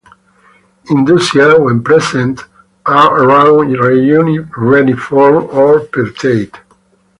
Indusia, when present, are round-reniform or peltate.